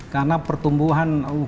karena pertumbuhan ukm ini